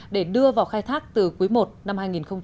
để đưa vào khai thác từ cuối một năm hai nghìn một mươi chín